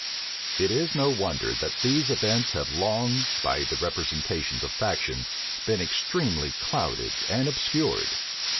It is no wonder that these events have long, by the representations of faction, been extremely clouded and obscured.